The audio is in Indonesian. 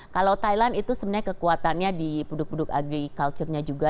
kalau thailand itu sebenarnya kekuatannya di buduk buduk agrikulturnya juga